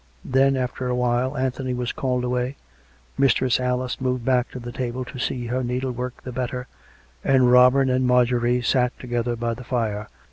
Then, after a while, Anthony was called away; Mistress Alice moved back to the table to see her needlework the better, and Robin and Marjorie sat together by the fire.